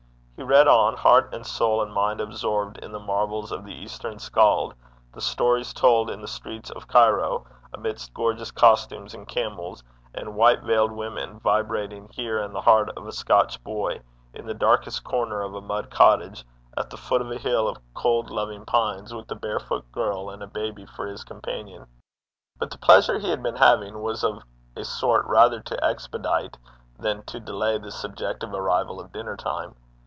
He read on, heart and soul and mind absorbed in the marvels of the eastern skald; the stories told in the streets of Cairo, amidst gorgeous costumes, and camels, and white veiled women, vibrating here in the heart of a Scotch boy, in the darkest corner of a mud cottage, at the foot of a hill of cold loving pines, with a barefooted girl and a baby for his companions. But the pleasure he had been having was of a sort rather to expedite than to delay the subjective arrival of dinner time.